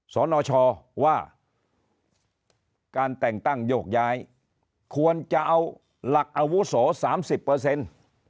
สนชว่าการแต่งตั้งโยกย้ายควรจะเอาหลักอาวุโสสามสิบเปอร์เซ็นต์